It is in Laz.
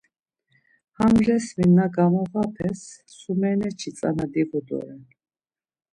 Ham resmi na gamoğapes sumeneçi tzana diyu doren.